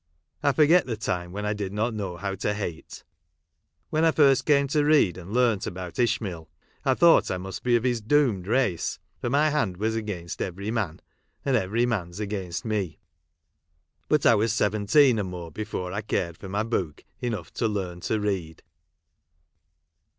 I forget the time when I did not know how to hate. When I first came to read and learnt about Ishmael, I thought I must be of his doomed race, for my hand was against every man, and every man's against me. But I was seventeen or more before I cared for my book enough to learn to read.